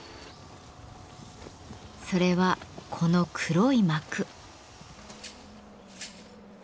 それはこの黒い幕。